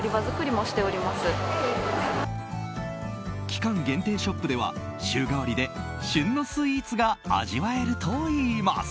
期間限定ショップでは週替わりで旬のスイーツが味わえるといいます。